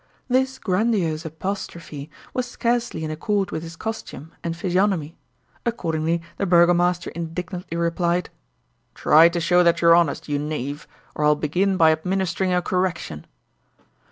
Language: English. This grandiose apostrophe was scarcely in accord with his costume and physiognomy. Accordingly the burgomaster indignantly replied: "Try to show that you're honest, you knave, or I'll begin by administering a correction."